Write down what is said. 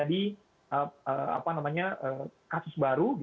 misalnya apabila terjadi kasus baru